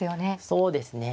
そうですね。